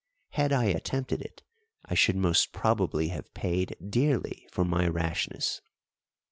Had I attempted it I should most probably have paid dearly for my rashness.